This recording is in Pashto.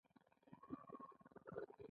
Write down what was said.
ای بیټ د نصاب لپاره درې برخې ښودلې دي.